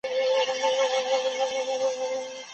هوډ د ژوندانه لارې پرانیزي.